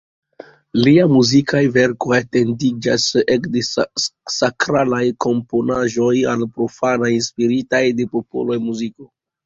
Liaj muzikaj verkoj etendiĝas ekde sakralaj komponaĵoj al profanaj inspiritaj de popola muziko.